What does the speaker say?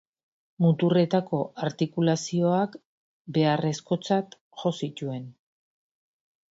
Muturretako artikulazioak beharrezkotzat jo zituen.